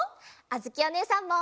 あづきおねえさんも！